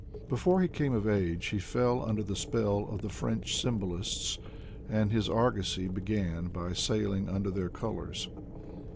Before he came of age he fell under the apell of the French symbolists and his argosy began by sailing under their colors.